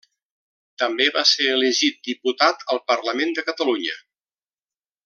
També va ser elegit diputat al Parlament de Catalunya.